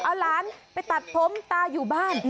เอาหลานไปตัดผมตาอยู่บ้าน